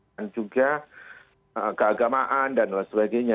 dan juga keagamaan dan sebagainya